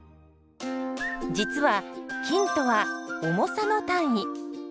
実は「斤」とは「重さ」の単位。